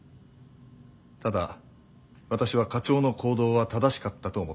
ただ私は課長の行動は正しかったと思っています。